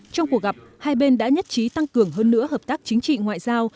trong cuộc gặp hai bên đã nhất trí tăng cường hơn nữa hợp tác chính trị ngoại giao